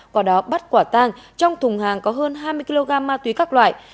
có đó bắt quả tăng trong thùng hàng có hơn hai mươi kg ma túy các loại